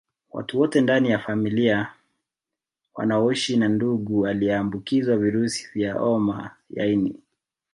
Watu wote ndani ya familia wanaoshi na ndugu aliyeambukizwa virusi vya homa ya ini